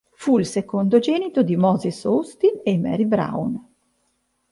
Fu il secondogenito di Moses Austin e Mary Brown.